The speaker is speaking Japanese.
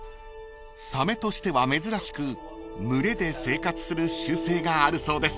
［サメとしては珍しく群れで生活する習性があるそうです］